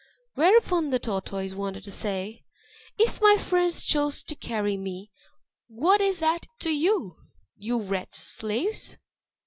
Whereupon the tortoise wanted to say, "If my friends choose to carry me, what is that to you, you wretched slaves!"